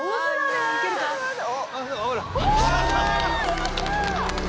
やった！